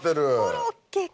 コロッケか。